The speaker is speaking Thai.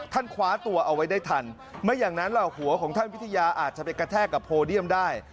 คว้าตัวเอาไว้ได้ทันไม่อย่างนั้นล่ะหัวของท่านวิทยาอาจจะไปกระแทกกับโพเดียมได้